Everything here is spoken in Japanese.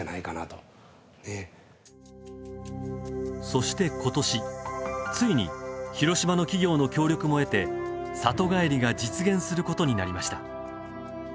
そして今年、ついに広島の企業の協力も得て里帰りが実現することになりました。